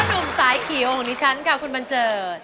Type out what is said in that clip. ข้อดูมสายเขียวของนิชชันกับคุณบัญเจิร์ด